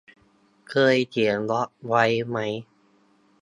เคยเขียนบล็อกไว้ไหม